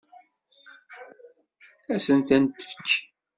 Ad sent-t-tefk?